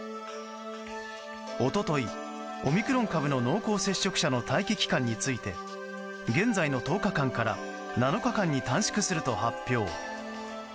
一昨日、オミクロン株の濃厚接触者の待機期間について現在の１０日間から７日間に短縮すると発表。